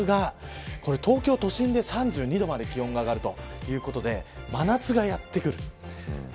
週末が、東京都心で３２度まで気温が上がるということで真夏がやってくる。